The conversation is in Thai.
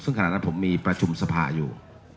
ซึ่งขณะนั้นผมมีประชุมสภาอยู่